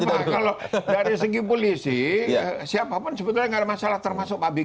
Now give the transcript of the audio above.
kalau dari segi polisi siapapun sebetulnya nggak ada masalah termasuk abg